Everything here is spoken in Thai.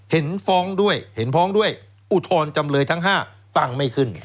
เห็นฟ้องด้วยอุทธรณ์จำเลยทั้ง๕ฟังไม่ขึ้น